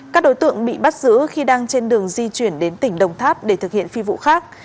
các đối tượng bị bắt giữ khi đang trên đường di chuyển đến tỉnh đồng tháp để thực hiện phi vụ khác